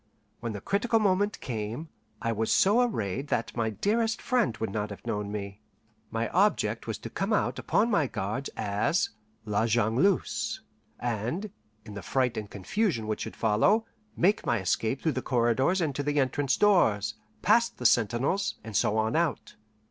When the critical moment came, I was so arrayed that my dearest friend would not have known me. My object was to come out upon my guards as La Jongleuse, and, in the fright and confusion which should follow, make my escape through the corridors and to the entrance doors, past the sentinels, and so on out.